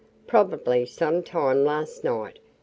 Probably some time last night.